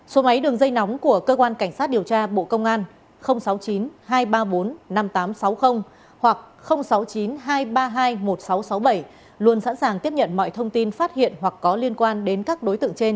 số máy đường dây nóng của cơ quan cảnh sát điều tra bộ công an sáu mươi chín hai trăm ba mươi bốn năm nghìn tám trăm sáu mươi hoặc sáu mươi chín hai trăm ba mươi hai một nghìn sáu trăm sáu mươi bảy luôn sẵn sàng tiếp nhận mọi thông tin phát hiện hoặc có liên quan đến các đối tượng trên